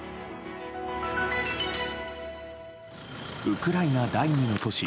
ウクライナ第２の都市